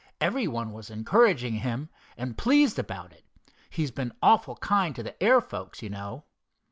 Everybody was encouraging him, and pleased about it. He's been awful kind to the air folks, you know."